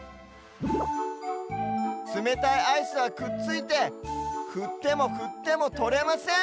つめたいアイスはくっついてふってもふってもとれません。